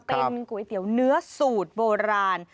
เป็นก๋วยเตี๋ยวเนื้อสูตรโบราณ